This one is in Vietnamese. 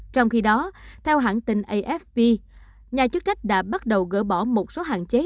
trong khi đó theo hãng tin afp nhà chức trách đã bắt đầu gỡ bỏ một số hạn chế